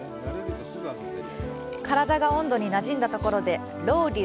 体が温度になじんだところでロウリュ。